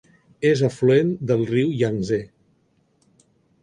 És afluent del riu Yangtze.